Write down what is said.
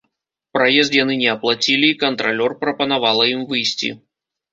Праезд яны не аплацілі і кантралёр прапанавала ім выйсці.